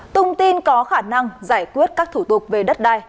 tung tin có khả năng giải quyết các thủ tục về đất đai